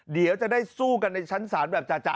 เดี๋ยวจะได้สู้กันในชั้นศาลแบบจ่ะ